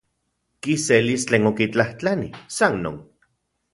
Kiselis tlen okitlajtlani, san non.